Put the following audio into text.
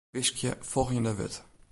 Wiskje folgjende wurd.